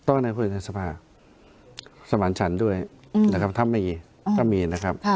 ต้องการพูดถึงสภาพสมันต์ชันด้วยนะครับถ้าไม่กี่ก็มีนะครับ